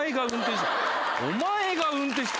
お前が運転しろ。